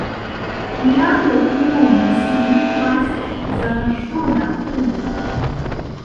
La loknomo signifas: Zala-ŝtona-puto.